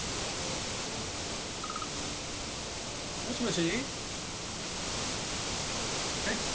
もしもし？え？